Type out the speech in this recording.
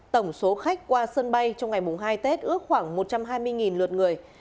tổng số khách qua sân bay trong ngày mùng hai tết ước khoảng một trăm hai mươi lượt người